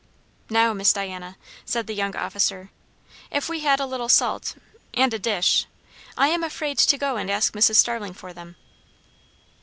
"Now, Miss Diana," said the young officer. "If we had a little salt, and a dish I am afraid to go and ask Mrs. Starling for them!"